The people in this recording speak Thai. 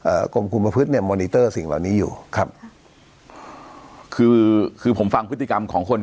เอ่อกรมคุมพพฤษเนี้ยสิ่งเหล่านี้อยู่ครับคือคือผมฟังพฤติกรรมของคนก่อ